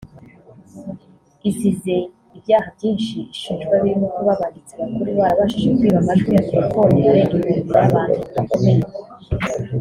Izize ibyaha byinshi ishinjwa birimo kuba abanditsi bakuru barabashije kwiba amajwi ya telefoni arenga ibihumbi y’abantu bakomeye